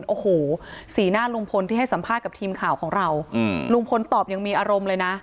โอ้โหสีหน้าลุงพลที่ให้สัมภาษณ์กับทีมข่าวของเราอืมลุงพลตอบยังมีอารมณ์เลยนะ